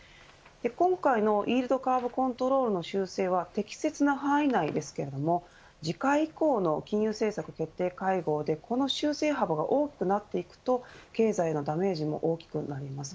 今回のイールドカーブ・コントロールの修正は適切な範囲内ですが次回以降の金融政策決定会合でこの修正幅が多くなってくると経済へのダメージも大きくなります。